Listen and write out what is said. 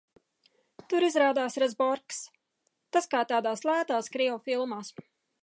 Tur izrādās razborkas. Tas kā tādās lētās krievu filmās.